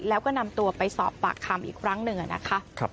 แล้วก็นำตัวไปสอบปากคำอีกครั้งหนึ่งนะคะ